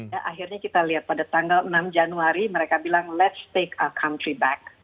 dan akhirnya kita lihat pada tanggal enam januari mereka bilang let's take our country back